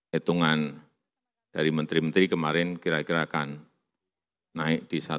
hitungan dari menteri menteri kemarin kira kira akan naik di tujuh puluh persen